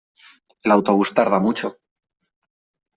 El autobús tarda mucho.